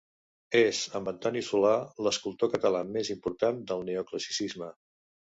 És, amb Antoni Solà, l'escultor català més important del Neoclassicisme.